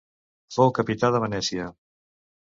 Fou capità de Venècia.